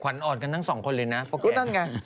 ขวัญออดกันทั้งสองคนเลยนะเพราะแก่ก็นั่นไง